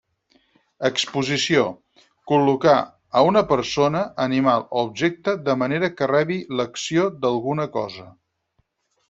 Exposició: col·locar a una persona, animal o objecte de manera que rebi l'acció d'alguna cosa.